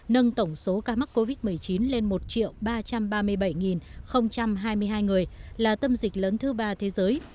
nâng tổng số ca mắc covid một mươi chín lên một ba trăm ba mươi bảy hai mươi hai người là tâm dịch lớn thứ ba thế giới